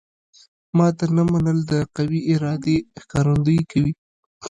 ماته نه منل د قوي ارادې ښکارندوی کوي